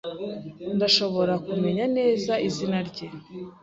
Ndashobora kumenya neza izina rye